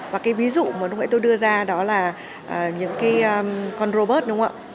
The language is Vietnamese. và cái ví dụ mà tôi đưa ra đó là những cái con robot đúng không ạ